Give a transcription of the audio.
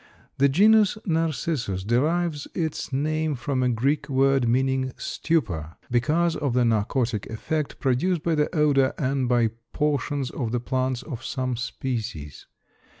The genus Narcissus derives its name from a Greek word meaning "stupor" because of the narcotic effect produced by the odor and by portions of the plants of some species.